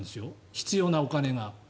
必要なお金が。